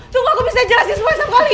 tunggu aku bisa jelasin semuanya sama kalian